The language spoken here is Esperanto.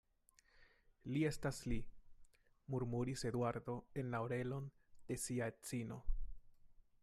Li estas Li, murmuris Eduardo en orelon de sia edzino.